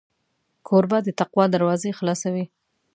کوربه د تقوا دروازې خلاصوي.